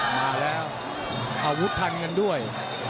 มาแล้วอาวุธทันกันด้วย